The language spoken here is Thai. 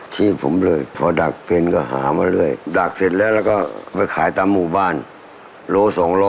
ชีพผมเลยพอดักเป็นก็หามาเรื่อยดักเสร็จแล้วแล้วก็ไปขายตามหมู่บ้านโล๒๐๐